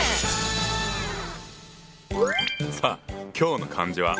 さあ今日の漢字は？